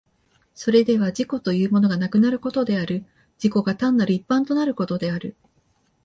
それでは自己というものがなくなることである、自己が単なる一般となることである。